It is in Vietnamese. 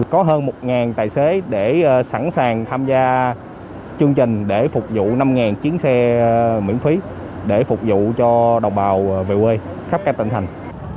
có hơn một tài xế để sẵn sàng tham gia chương trình để phục vụ năm chiến xe miễn phí để phục vụ cho đồng bào về quê khắp các tân thành